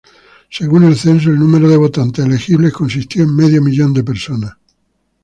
Según el censo, el número de votantes elegibles consistió en medio millón de personas.